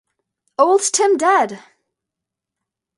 Old Tim dead!